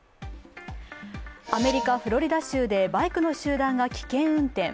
アメリカ・フロリダ州でバイクの集団が危険運転。